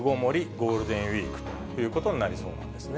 ゴールデンウィークということになりそうなんですね。